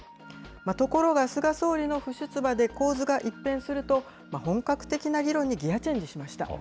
ところが、菅総理の不出馬で構図が一変すると、本格的な議論にギアチェンジしました。